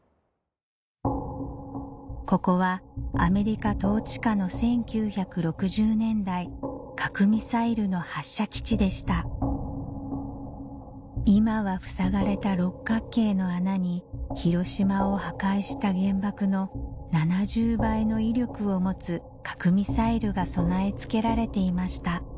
ここはアメリカ統治下の１９６０年代今はふさがれた六角形の穴に広島を破壊した原爆の７０倍の威力を持つ核ミサイルが備え付けられていました